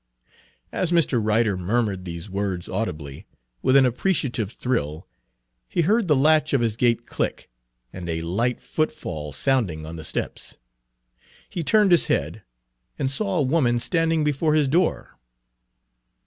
As Mr. Ryder murmured these words audibly, with an appreciative thrill, he heard the latch of his gate click, and a light footfall sounding on the steps. He turned his head, and saw a woman standing before his door.